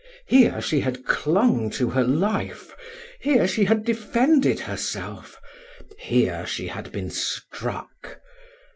Here she had clung to her life, here she had defended herself, here she had been struck.